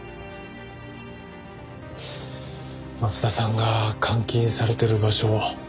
松田さんが監禁されてる場所